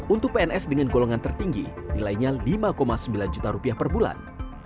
untuk pns dengan golongan tertinggi nilainya lima sembilan juta rupiah per bulan